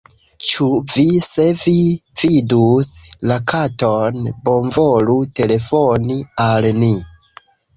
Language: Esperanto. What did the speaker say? Ĉu vi... se vi vidus la katon, bonvolu telefoni al ni."